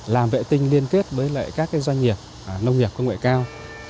làm vệ tinh liên kết với các doanh nghiệp nông nghiệp công nghệ cao